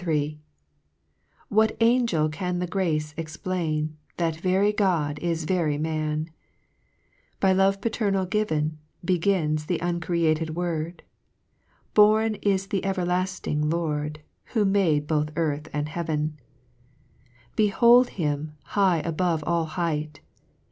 HYMN III. 1 "VTTTHAT angel can the grace explain, T ? That very God is very Man ! By love paternal given : Begins the uncreated word ; Born is the evcrlafting Lord ; Who made both earth and heaven I 2 Behold him, high above all height